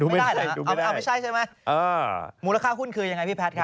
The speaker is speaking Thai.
ไม่ได้เหรอฮะเอาไม่ใช่ใช่ไหมมูลค่าหุ้นคือยังไงพี่แพทย์ครับ